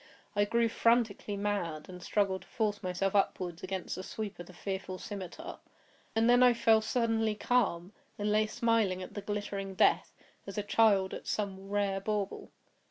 I grew frantically mad, and struggled to force myself upward against the sweep of the fearful scimitar. And then I fell suddenly calm, and lay smiling at the glittering death, as a child at some rare bauble.